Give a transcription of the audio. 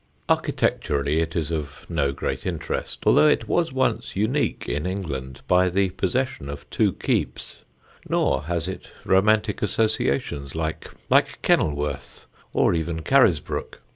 Architecturally it is of no great interest, although it was once unique in England by the possession of two keeps; nor has it romantic associations, like Kenilworth or even Carisbrooke.